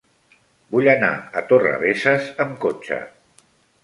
Vull anar a Torrebesses amb cotxe.